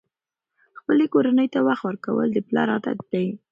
خپلې کورنۍ ته وخت ورکول د پلار عادت دی.